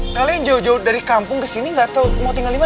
kalian jauh jauh dari kampung ke sini gak tau mau tinggal dimana